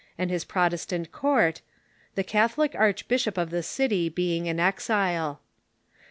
and his Protestant court, the Catholic archbishop of the city being in exile.